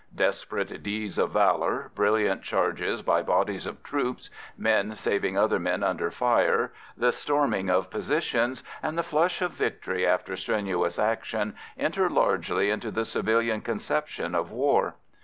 Desperate deeds of valour, brilliant charges by bodies of troops, men saving other men under fire, the storming of positions, and the flush of victory after strenuous action enter largely into the civilian conception of war.